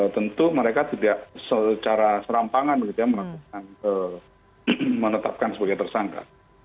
tentu mereka tidak secara serampangan melakukan menetapkan sebagai tersangka